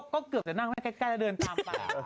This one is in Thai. ก็เกือบจะนั่งแค่นั้นและเดินตามป่า